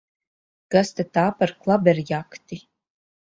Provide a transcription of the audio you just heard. Kas tad tā par klaberjakti!